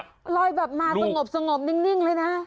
ลอยแบบมาสงบนิ่งเลยนะ